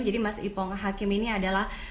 jadi mas ipong hakim ini adalah